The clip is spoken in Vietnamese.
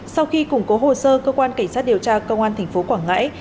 sau khi củng cố hồ sơ cơ quan cảnh sát điều tra công an tp quảng ngãi